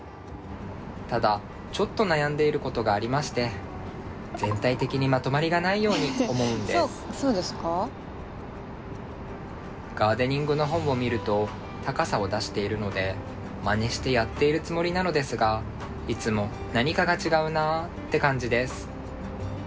ただちょっと悩んでいることがありましてガーデニングの本を見ると高さを出しているのでまねしてやっているつもりなのですがいつも「何かが違うな」って感じです。